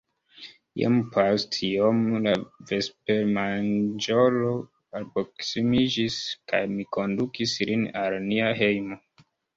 Iom post iom la vespermanĝhoro alproksimiĝis kaj mi kondukis lin al nia hejmo.